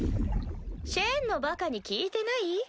シェンのバカに聞いてない？